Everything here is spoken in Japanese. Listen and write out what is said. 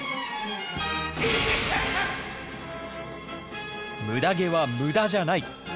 ムダ毛はムダじゃない！